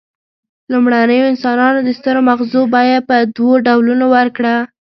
لومړنیو انسانانو د سترو مغزو بیه په دوو ډولونو ورکړه.